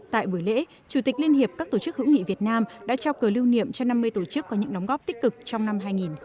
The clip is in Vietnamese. tại buổi lễ chủ tịch liên hiệp các tổ chức hữu nghị việt nam đã trao cờ lưu niệm cho năm mươi tổ chức có những đóng góp tích cực trong năm hai nghìn hai mươi